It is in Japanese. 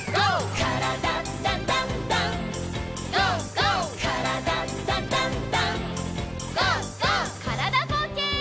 からだぼうけん。